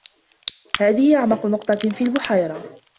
هذه أعمق نقطة في البحيرة.